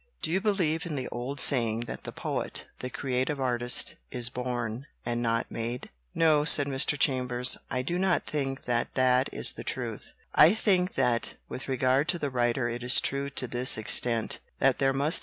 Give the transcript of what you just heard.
"Do you believe in the old saying that the poet the creative artist is born and not made?" "No," said Mr. Chambers, "I do not think that that is the truth. I think that with regard to the writer it is true to this extent, that there must 76 WHAT IS GENIUS?